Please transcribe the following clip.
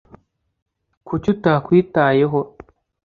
kuki utakwitayeho